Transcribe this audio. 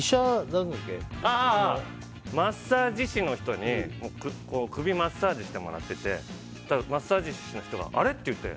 マッサージ師の人に首マッサージしてもらっててそしたらマッサージ師の人があれ？って言って。